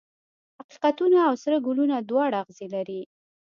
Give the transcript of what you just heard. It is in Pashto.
حقیقتونه او سره ګلونه دواړه اغزي لري.